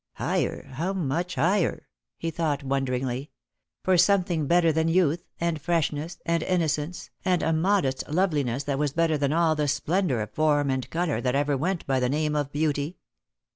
" Higher ? How much higher ?" he thought wonderingly. For something better than youth, and freshness, and inno cence, and a modest loveliness that was better than all the splendour of form and colour that ever went by the name of beauty